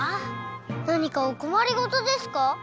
なにかおこまりごとですか？